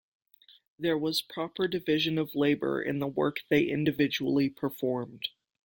There was proper division of labor in the work they individually performed.